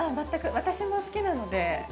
私も好きなので。